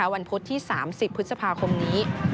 วันพุธที่๓๐พฤษภาคมนี้